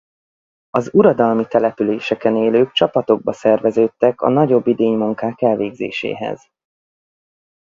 Az uradalmi településeken élők csapatokba szerveződtek a nagyobb idénymunkák elvégzéséhez.